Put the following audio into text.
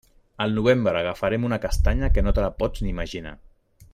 Al novembre agafarem una castanya que no te la pots ni imaginar.